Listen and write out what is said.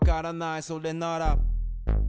それなら。